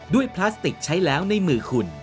พลาสติกใช้แล้วในมือคุณ